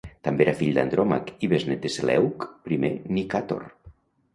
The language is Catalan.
També era fill d'Andromac i besnet de Seleuc I Nicàtor.